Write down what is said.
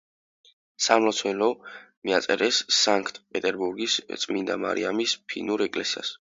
სამლოცველო მიაწერეს სანქტ-პეტერბურგის წმინდა მარიამის ფინურ ეკლესიას.